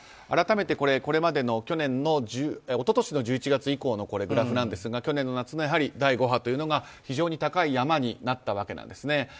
改めて、これまでの一昨日の１１月以降のグラフですが去年の夏の第５波というのが非常に高い山になったわけなんですね。